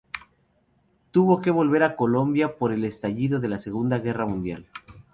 Tuvo que volver a Colombia por el estallido de la Segunda Guerra Mundial.